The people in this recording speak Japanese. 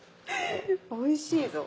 おいしいぞ。